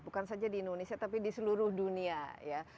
bukan saja di indonesia tapi di seluruh dunia ya